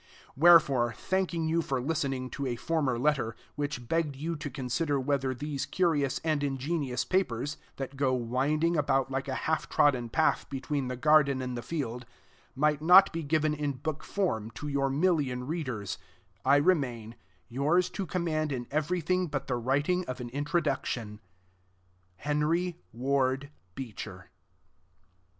Wherefore, thanking you for listening to a former letter, which begged you to consider whether these curious and ingenious papers, that go winding about like a half trodden path between the garden and the field, might not be given in book form to your million readers, I remain, yours to command in everything but the writing of an Introduction, HENRY WARD BEECHER.